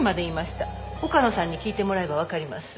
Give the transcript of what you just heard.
岡野さんに聞いてもらえばわかります。